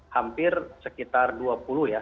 hampir sekitar dua puluh ya